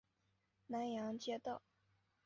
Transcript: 南阳街道